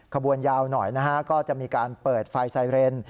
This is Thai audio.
คบวนยาวหน่อยก็จะมีการเปิดไฟไซเรน